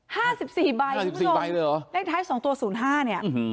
ห้าสิบสี่ใบห้าสิบสี่ใบเลยเหรอเลขท้ายสองตัวศูนย์ห้าเนี้ยอืม